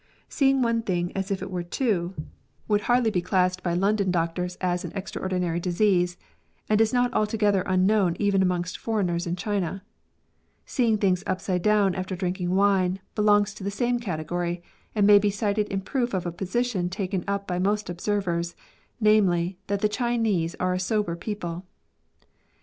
Seeing one thing as if it were two " would hardly MEDICAL SCIENCE. 39 be classed by London doctors as an extraordinary disease, and is not altogether unknown even amongst foreigners in China. " Seeing things upside down after drinking wine/' belongs to the same category, and may be cited in proof of a position taken up by most observers, namely, that the Chinese are a sober people.